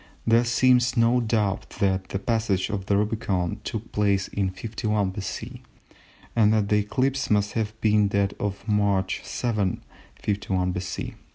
There seems no doubt that the passage of the Rubicon took place in 51 B.C., and that the eclipse must have been that of March 7, 51 B.